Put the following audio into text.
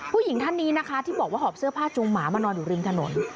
ผู้หญิงท่านนี้นะคะที่บอกว่าหอบเสื้อผ้าจูงหมามานอนอยู่ริมถนน